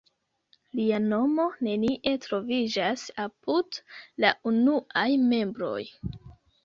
Lia nomo nenie troviĝas apud la unuaj membroj.